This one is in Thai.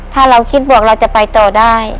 ถ้าเราคิดบวกเราจะไปต่อได้